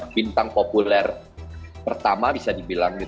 bintang populer pertama bisa dibilang